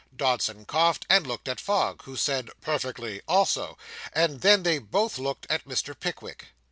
Dodson coughed and looked at Fogg, who said 'Perfectly,' also. And then they both looked at Mr. Pickwick.